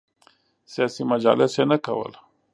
سیاسي مجالس یې نه کول.